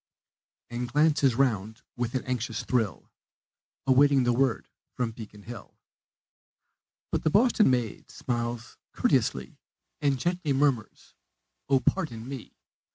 And glances round with an anxious thrill, Awaiting the word of Beacon Hill. But the Boston maid smiles courteouslee And gently murmurs, "Oh, pardon me!